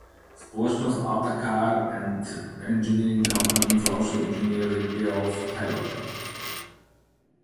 Společnost Alta Car and Engineering Company založil inženýr Geoff Taylor.